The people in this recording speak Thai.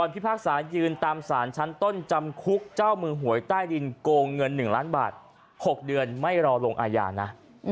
พิพากษายืนตามสารชั้นต้นจำคุกเจ้ามือหวยใต้ดินโกงเงิน๑ล้านบาท๖เดือนไม่รอลงอาญานะ